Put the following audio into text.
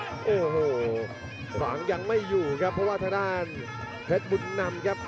โอ้โหขวางยังไม่อยู่ครับเพราะว่าทางด้านเพชรบุญนำครับ